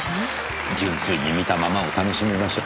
純粋に見たままを楽しみましょう。